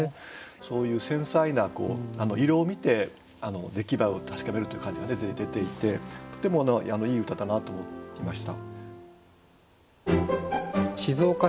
そういう繊細な色を見て出来栄えを確かめるという感じが出ていてとてもいい歌だなと思いました。